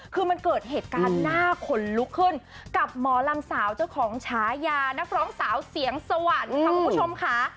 คือมันเกิดเหตุการณ์หน้าขนลุกขึ้นกับหมอลำสาวเจ้าของฉายานักร้องสาวเสียงสวรรค์ค่ะคุณผู้ชมค่ะ